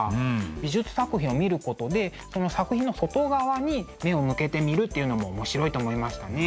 美術作品を見ることでその作品の外側に目を向けてみるっていうのも面白いと思いましたね。